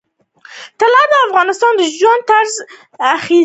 طلا د افغانانو د ژوند طرز اغېزمنوي.